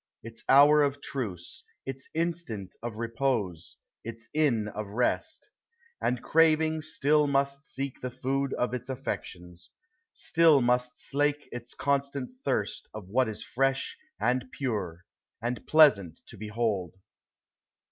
Its hour of truce, its instant of repose, Its inn of rest; and craving still must seek The food of its affections.— still must slake Its constant thirst of what is fresh and pirn?, And pleasant to behold.